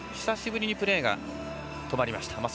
久しぶりにプレーが止まりました。